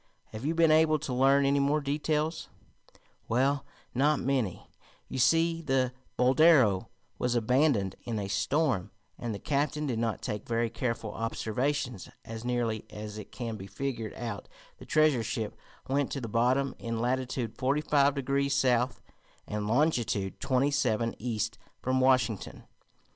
Have you been able to learn any more details?" "Well, not many. You see, the Boldero was abandoned in a storm, and the captain did not take very careful observations. As nearly as it can be figured out the treasure ship went to the bottom in latitude forty five degrees south, and longitude twenty seven east from Washington.